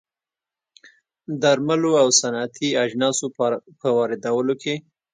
درملو او صنعتي اجناسو په واردولو کې